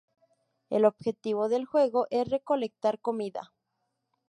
El objetivo del juego es recolectar comida.